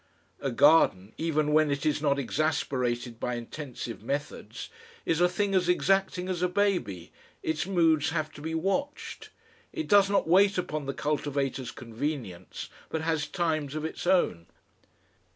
A garden, even when it is not exasperated by intensive methods, is a thing as exacting as a baby, its moods have to be watched; it does not wait upon the cultivator's convenience, but has times of its own.